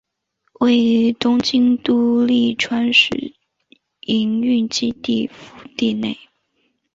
总部位于东京都立川市营运基地敷地内。